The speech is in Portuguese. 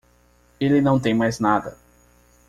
Ele não tem mais nada.